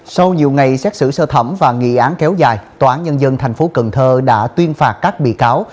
sau nhiều ngày xét xử sơ thẩm và nghị án kéo dài tòa án nhân dân tp cần thơ đã tuyên phạt các bị cáo